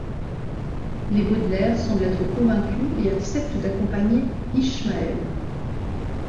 Les Baudelaire semblent être convaincus et acceptent d'accompagner Ishmael.